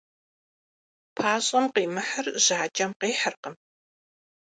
Пащӏэм къимыхьыр жьакӏэм къихьыркъым.